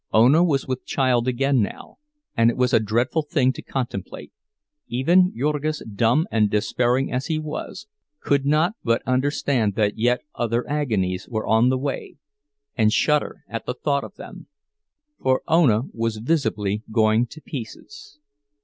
Ona was with child again now, and it was a dreadful thing to contemplate; even Jurgis, dumb and despairing as he was, could not but understand that yet other agonies were on the way, and shudder at the thought of them. For Ona was visibly going to pieces.